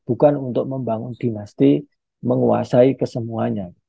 bukan untuk membangun dinasti menguasai kesemuanya